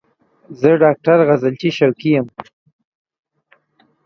زه ډاکټر غزلچی شوقی یم